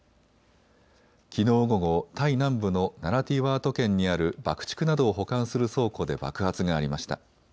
きのう午後、タイ南部のナラティワート県にある爆竹などを保管する倉庫で爆発がありました。